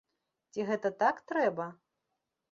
Ці гэта так трэба?